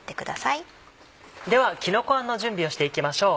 ではきのこあんの準備をしていきましょう。